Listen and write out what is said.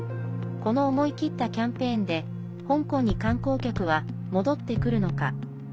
この思い切ったキャンペーンで香港に観光客は戻ってくるのか。